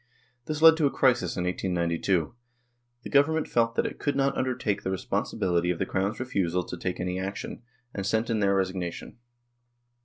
This led to a crisis in 1892 ; the Government felt that it could not undertake the responsibility of the Crown's refusal to take any action, and sent in their resignation.